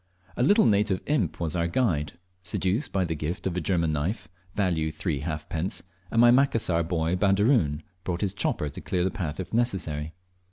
A little native imp was our guide, seduced by the gift of a German knife, value three halfpence, and my Macassar boy Baderoon brought his chopper to clear the path if necessary.